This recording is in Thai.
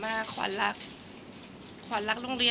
แต่ขวัญไม่สามารถสวมเขาให้แม่ขวัญได้